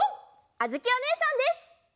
あづきおねえさんです！